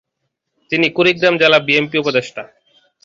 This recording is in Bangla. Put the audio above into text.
তিনি কুড়িগ্রাম জেলা বিএনপি উপদেষ্টা।